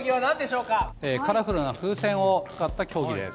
カラフルな風船を使った競技です。